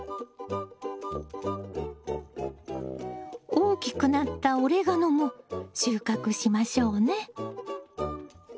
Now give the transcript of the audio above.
大きくなったオレガノも収穫しましょうね。